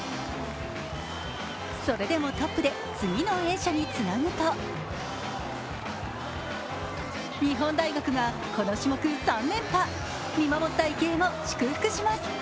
それでもトップで次の泳者につなぐと日本大学がこの種目３連覇。見守った池江も祝福します。